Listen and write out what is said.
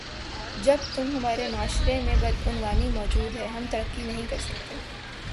جب تم ہمارے معاشرے میں بدعنوانی موجود ہے ہم ترقی نہیں کرسکتے